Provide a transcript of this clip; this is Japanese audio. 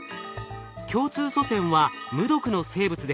共通祖先は無毒の生物でした。